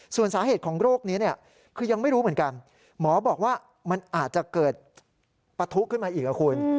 ส่วนสาเหตุของโรคนี้เนี่ยคือยังไม่รู้เหมือนกันหมอบอกว่ามันอาจจะเกิดปะทุขึ้นมาอีกนะคุณ